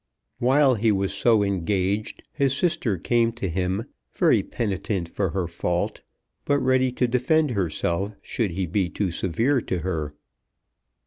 While he was so engaged his sister came to him, very penitent for her fault, but ready to defend herself should he be too severe to her.